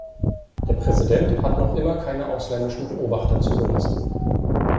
Der Präsident hat noch immer keine ausländischen Beobachter zugelassen.